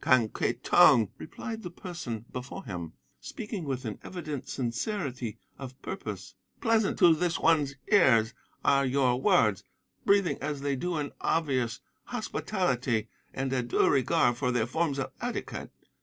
"'Quen Ki Tong,' replied the person before him, speaking with an evident sincerity of purpose, 'pleasant to this one's ears are your words, breathing as they do an obvious hospitality and a due regard for the forms of etiquette.